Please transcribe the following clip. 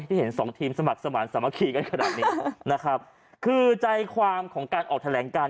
เห็นสองทีมสมัครสมาธิสามัคคีกันขนาดนี้นะครับคือใจความของการออกแถลงการ